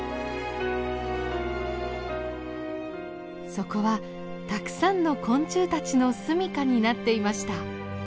そこはたくさんの昆虫たちの住みかになっていました。